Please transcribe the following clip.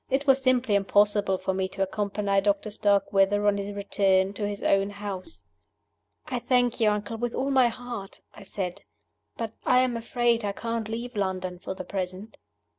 It was simply impossible for me to accompany Doctor Starkweather on his return to his own house. "I thank you, uncle, with all my heart," I said. "But I am afraid I can't leave London for the present."